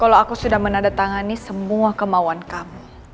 kalau aku sudah menandatangani semua kemauan kamu